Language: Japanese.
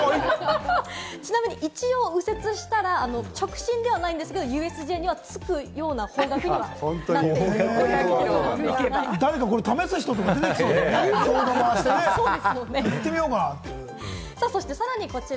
ちなみに一応、右折したら直進ではないんですがＵＳＪには着くような方角にはなっているんで誰か試す人とか出てきそうで行ってみようかな。